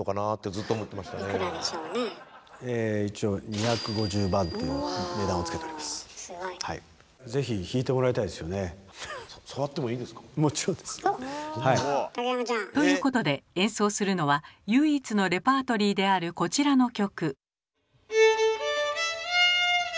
一応ということで演奏するのは唯一のレパートリーであるこちらの曲。